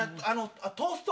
トースト。